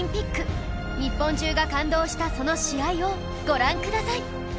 日本中が感動したその試合をご覧ください